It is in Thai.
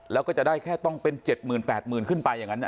แล้วก็จะได้แค่ต้องเป็น๗หมื่น๘หมื่นขึ้นไปอย่างนั้น